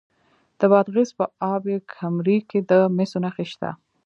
د بادغیس په اب کمري کې د مسو نښې شته.